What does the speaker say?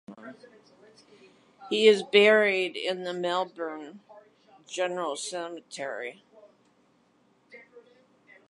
He is buried in the Melbourne General Cemetery.